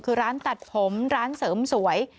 คือร้านตัดผมร้านเสริมสวย